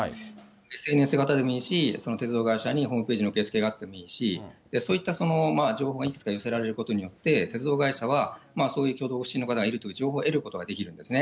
ＳＮＳ型でもいいし、鉄道会社にホームページの受付があってもいいし、そういった情報がいくつか寄せられることによって、鉄道会社はそういう挙動不審の方がいるという情報を得ることができるんですね。